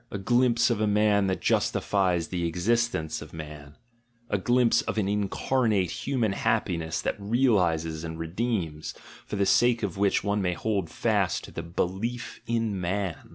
A glimpse of a man that justifies the existence of man, a glimpse of an incarnate human happiness that realises and redeems, for the sake of which one may hold fast to the belie] in man!